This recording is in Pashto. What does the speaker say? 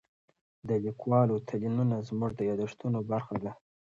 د لیکوالو تلینونه زموږ د یادښتونو برخه ده.